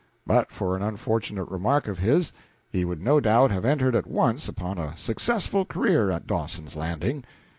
But for an unfortunate remark of his, he would no doubt have entered at once upon a successful career at Dawson's Landing.